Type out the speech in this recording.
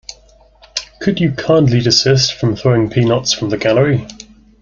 Could you kindly desist from throwing peanuts from the gallery?